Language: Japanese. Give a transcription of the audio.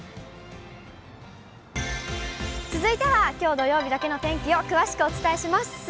続いてはきょう土曜日だけのお天気を詳しくお伝えします。